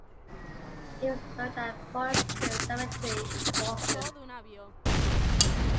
He was buried at Forest Hills Cemetery in Boston.